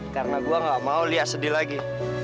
karena gue gak mau lia sedih lagi